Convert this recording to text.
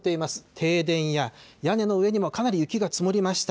停電や屋根の上にもかなり雪が積もりました。